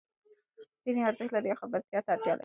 ځینې ارزښت لري او خبرتیا ته اړتیا لري.